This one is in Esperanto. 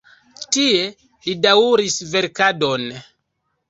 Tie li daŭris verkadon.